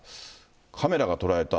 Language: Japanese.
カメラが捉えた！